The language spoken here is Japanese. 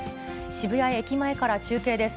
渋谷駅前から中継です。